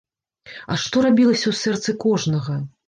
А што рабілася ў сэрцы кожнага?